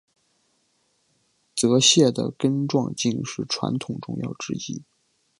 泽泻的根状茎是传统中药之一。